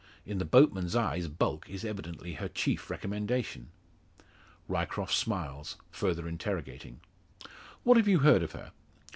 In the boatman's eyes, bulk is evidently her chief recommendation! Ryecroft smiles, further interrogating: "What have you heard of her?"